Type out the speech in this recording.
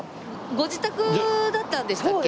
ご自宅だったんでしたっけ？